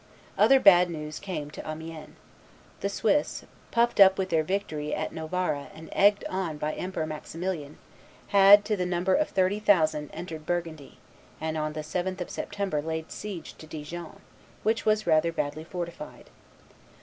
Other bad news came to Amiens. The Swiss, puffed up with their victory at Novara and egged on by Emperor Maximilian, had to the number of thirty thousand entered Burgundy, and on the 7th of September laid siege to Dijon, which was rather badly fortified.